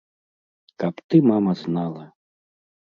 Каб ты, мама, знала!